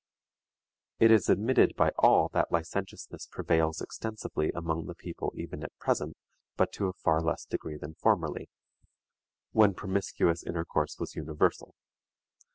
It is admitted by all that licentiousness prevails extensively among the people even at present, but to a far less degree than formerly, when promiscuous intercourse was universal.